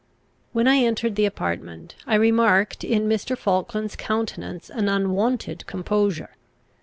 ] When I entered the apartment, I remarked in Mr. Falkland's countenance an unwonted composure.